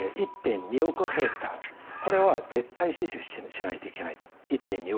１．２億ヘクタールこれは絶対死守しないといけない。